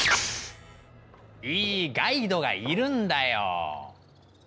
いいガイドがいるんだよ。